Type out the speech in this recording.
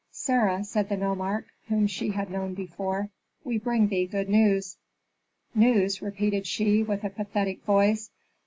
"Sarah," said the nomarch, whom she had known before, "we bring thee good news." "News," repeated she with a pathetic voice.